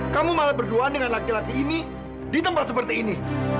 kamu malah berduaan dengan laki laki ini di tempat seperti ini